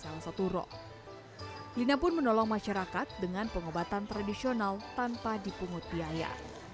dia juga menolak masyarakat dengan pengobatan tradisional tanpa dipungut biaya